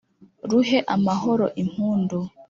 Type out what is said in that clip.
Ruhe amahoro impundu.